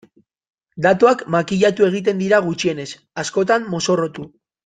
Datuak makillatu egiten dira gutxienez, askotan mozorrotu.